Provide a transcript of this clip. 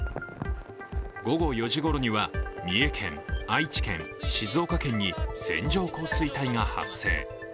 午後４時ごろには、三重県、愛知県、静岡県に線状降水帯が発生。